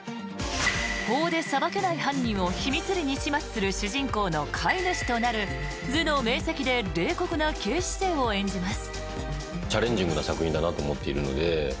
法で裁けない犯人を秘密裏に始末する主人公の飼い主となる頭脳明晰で冷酷な警視正を演じます。